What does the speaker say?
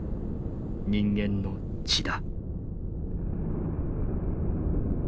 人間の血だ」。